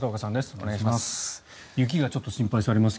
お願いします。